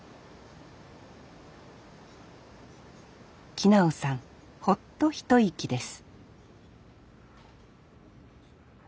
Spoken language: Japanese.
木直さんほっと一息です